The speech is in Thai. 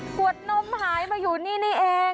ขวดนมหายมาอยู่นี่นี่เอง